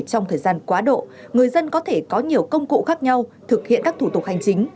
trong thời gian quá độ người dân có thể có nhiều công cụ khác nhau thực hiện các thủ tục hành chính